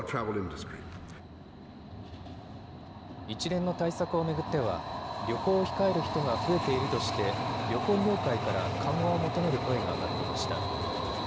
一連の対策を巡っては旅行を控える人が増えているとして旅行業界から緩和を求める声が上がっていました。